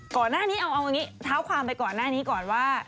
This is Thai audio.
ก่อนหน้านี้เอาอย่างนี้เท้าความไปก่อนหน้านี้ก่อนว่า